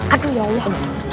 aduh ya allah